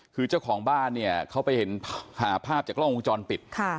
คือเจ้าของบ้านเนี่ยเขาไปเห็นหาภาพจากกล้องวงจรปิด